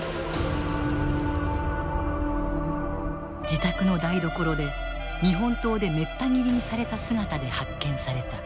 自宅の台所で日本刀でめった斬りにされた姿で発見された。